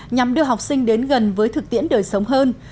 nhằm đưa học sinh đến gần với thực tiễn đời sống hơn